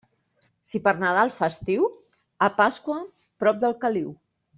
Si per Nadal fa estiu, a Pasqua, prop del caliu.